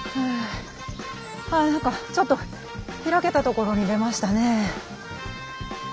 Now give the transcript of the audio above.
あっ何かちょっと開けたところに出ましたね。